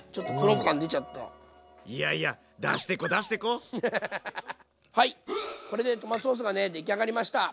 おおいやいやはいこれでトマトソースがね出来上がりました！